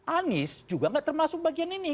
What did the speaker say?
anies juga nggak termasuk bagian ini